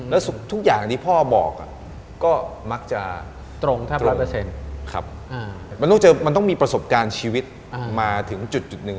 แล้วทุกอย่างที่พ่อบอกก็มักจะตรงแทบ๑๐๐ครับมันต้องมีประสบการณ์ชีวิตมาถึงจุดหนึ่ง